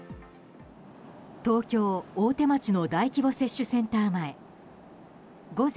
東京・大手町の大規模接種センター前。